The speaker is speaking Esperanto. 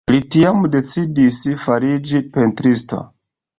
Li tiam decidis fariĝi pentristo.